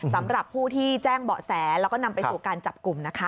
สำหรับผู้ที่แจ้งเบาะแสแล้วก็นำไปสู่การจับกลุ่มนะคะ